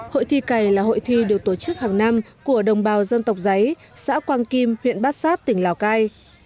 hội thi cày là hội thi được tổ chức hàng năm của đồng bào dân tộc giấy xã quang kim huyện bát sát tỉnh lào cai